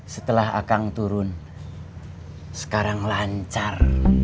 setelah akang turun sekarang lancar